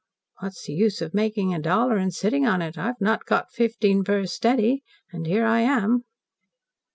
"What's the use of making a dollar and sitting on it. I've not got fifteen per steady and here I am."